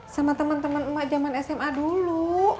sama teman teman emak zaman sma dulu